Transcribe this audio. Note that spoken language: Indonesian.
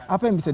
apa yang bisa di